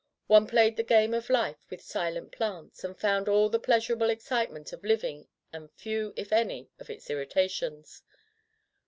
One played the game of life with silent plants, and found all the pleasurable excitement of living and few, if any, of its irritations.